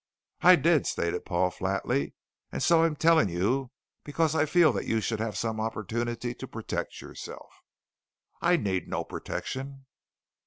"I did," stated Paul flatly. "And so I am telling you because I feel that you should have some opportunity to protect yourself." "I need no protection."